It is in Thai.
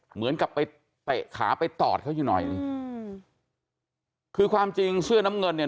เหมือนกับไปเตะขาไปตอดเขาอยู่หน่อยหนึ่งอืมคือความจริงเสื้อน้ำเงินเนี่ย